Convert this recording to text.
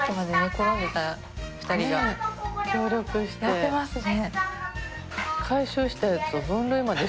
やってますね。